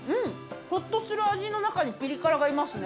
ほっとする味の中にピリ辛がいますね。